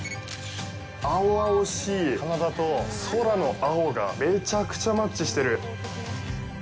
青々しい棚田と空の青がめちゃくちゃマッチしてる。